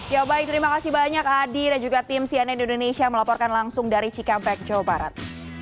ya baik terima kasih banyak adi dan juga tim cnn indonesia melaporkan langsung dari cikampek jawa barat